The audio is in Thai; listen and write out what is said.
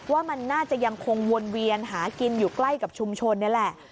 ว่ามันน่าจะยังคงวนเวียนหากินอยู่ใกล้กับชุมชนนี่แหละ